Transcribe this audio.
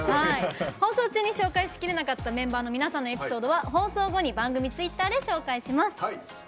放送中に紹介しきれなかったメンバーの皆さんのエピソードは放送後に番組ツイッターで紹介します。